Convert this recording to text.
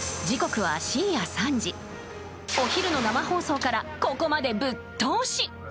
時刻は深夜３時、お昼の生放送からここまでぶっ通し。